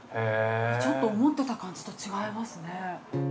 ◆ちょっと思ってた感じと違いますね。